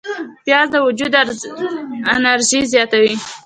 پیاز د وجود انرژي زیاتوي